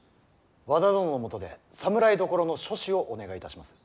和田殿のもとで侍所の所司をお願いいたします。